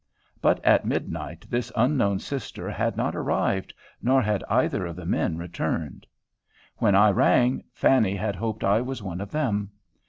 But at midnight this unknown sister had not arrived, nor had either of the men returned. When I rang, Fanny had hoped I was one of them.